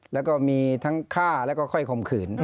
แล้วก็มีทั้งฆ่าแล้วก็ค่อยข่มขืน